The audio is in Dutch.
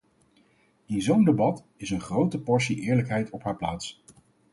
In zo'n debat is een grote portie eerlijkheid op haar plaats.